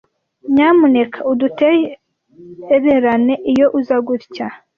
Nyamuneka udutererane iyo uza gutya.